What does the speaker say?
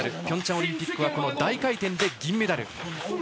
ピョンチャンオリンピックはこの大回転で銀メダル。